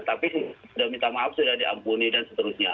tapi sudah minta maaf sudah diampuni dan seterusnya